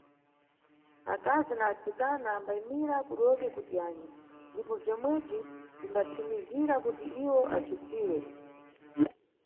Akazi na atsikana ambayimira kudoke kuti anye, ndipo bzomwebzi bzimbathimizira kuti iwo asvithiwe.